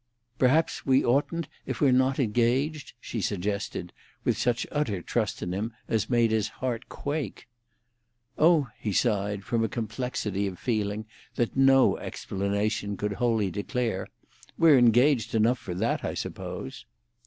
"Perhaps we oughtn't, if we're not engaged?" she suggested, with such utter trust in him as made his heart quake. "Oh," he sighed, from a complexity of feeling that no explanation could wholly declare, "we're engaged enough for that, I suppose."